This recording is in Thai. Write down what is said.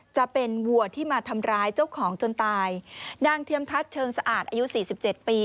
จะเป็นวัวที่มาทำร้ายเจ้าของจนตายนางเทียมทัศน์เชิงสะอาดอายุสี่สิบเจ็ดปี